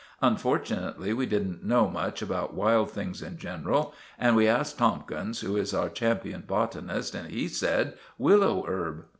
Unfortunately we didn't know much about wild things in general, and we asked Tomkins, who is our champion botanist, and he said "Willow herb."